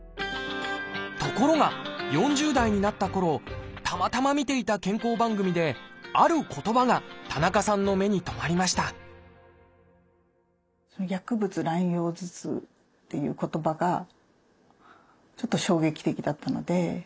ところが４０代になったころたまたま見ていた健康番組である言葉が田中さんの目に留まりましたという言葉がちょっと衝撃的だったので。